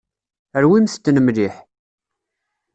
Rwimt-ten mliḥ.